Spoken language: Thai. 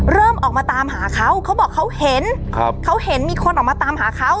เริ่มออกมาตามหาเขาเขาบอกเขาเห็นครับเขาเห็นมีคนออกมาตามหาเขา